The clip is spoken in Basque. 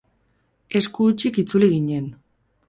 Esku hutsik itzuli ginen.